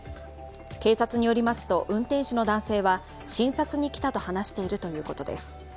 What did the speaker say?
警察によりますと、運転手の男性は診察に来たと話しているということです。